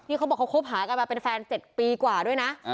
เขาบอกเขาคบหากันมาเป็นแฟน๗ปีกว่าด้วยนะ